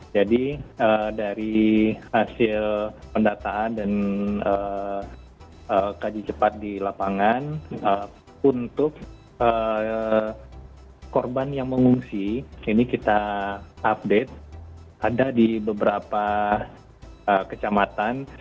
jadi dari hasil pendataan dan kaji cepat di lapangan untuk korban yang mengungsi ini kita update ada di beberapa kecamatan